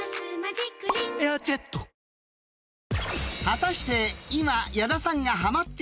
［果たして今］